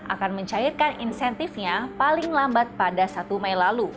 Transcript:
akan mencairkan insentifnya paling lambat pada satu mei lalu